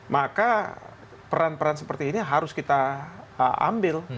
maka peran peran seperti ini harus kita ambil